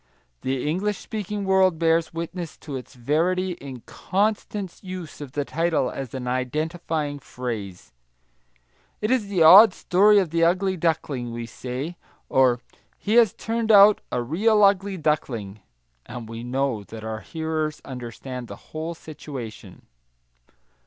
The English speaking world bears witness to its verity in constant use of the title as an identifying phrase: "It is the old story of the ugly duckling," we say, or "He has turned out a real ugly duckling." And we know that our hearers understand the whole situation.